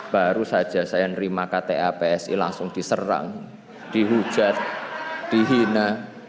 baru saja saya nerima kta psi langsung diserang dihujat dihina